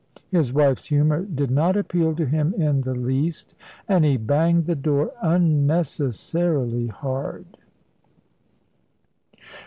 His wife's humour did not appeal to him in the least, and he banged the door unnecessarily hard.